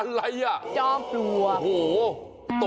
อะไรน่ะโห้ตรงใดหมดเลยโอ้โฮจ้อมตัว